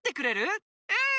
うん！